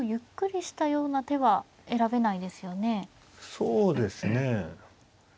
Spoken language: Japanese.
そうですね。